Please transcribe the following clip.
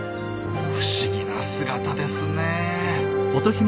不思議な姿ですね。